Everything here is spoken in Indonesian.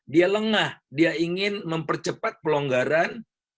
dia lengah dia ingin mempercepat pelonggaran